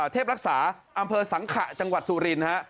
เทพรักษาอำเภอสังขะจังหวัดสุรินฮะ